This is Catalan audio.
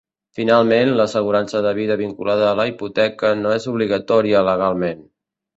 Finalment, l'assegurança de vida vinculada la hipoteca no és obligatòria legalment.